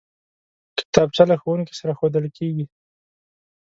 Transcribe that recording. کتابچه له ښوونکي سره ښودل کېږي